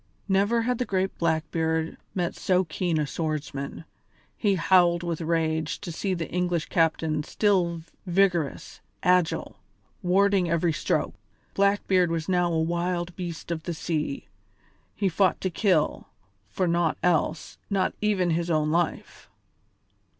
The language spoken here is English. Never had the great Blackbeard met so keen a swordsman; he howled with rage to see the English captain still vigorous, agile, warding every stroke. Blackbeard was now a wild beast of the sea: he fought to kill, for naught else, not even his own life.